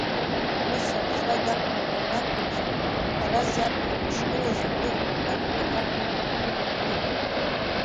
Мыса аԥсра дақәгәыӷуан акәымзар, Ҳараз иаԥхьа дышгылаз адәыӷба аҟынтәи аԥара игәаӷьып ҳәа дыҟамызт.